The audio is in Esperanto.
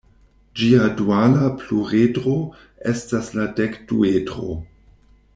Ĝia duala pluredro estas la dekduedro.